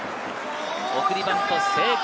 送りバント成功。